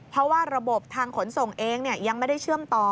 เพราะว่าระบบทางขนส่งเองยังไม่ได้เชื่อมต่อ